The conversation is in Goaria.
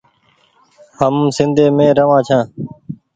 هم سنڌي روآن ڇآن ۔